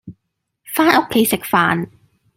返屋企食飯